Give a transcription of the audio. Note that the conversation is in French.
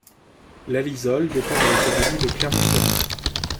Lalizolle dépend de l'académie de Clermont-Ferrand.